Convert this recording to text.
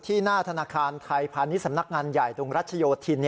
หน้าธนาคารไทยพาณิชย์สำนักงานใหญ่ตรงรัชโยธิน